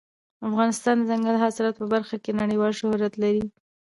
افغانستان د دځنګل حاصلات په برخه کې نړیوال شهرت لري.